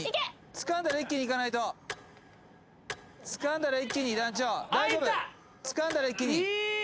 つかんだら一気にいかないとつかんだら一気に団長大丈夫つかんだら一気にいい！